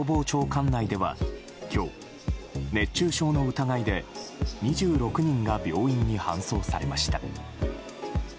管内では今日熱中症の疑いで２６人が病院に搬送されました。